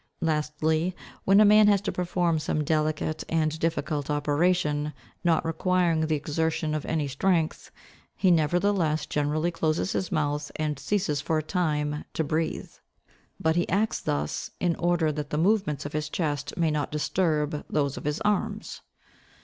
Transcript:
Lastly, when a man has to perform some delicate and difficult operation, not requiring the exertion of any strength, he nevertheless generally closes his mouth and ceases for a time to breathe; but he acts thus in order that the movements of his chest may not disturb, those of his arms.